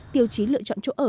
tiêu chí lựa chọn chỗ ở